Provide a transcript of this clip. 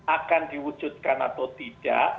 akan diwujudkan atau tidak